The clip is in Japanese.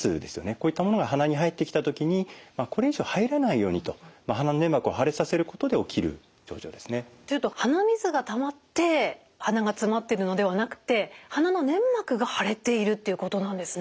こういったものが鼻に入ってきた時にこれ以上入らないようにと鼻の粘膜を腫れさせることで起きる症状ですね。というと鼻水がたまって鼻がつまってるのではなくて鼻の粘膜が腫れているっていうことなんですね。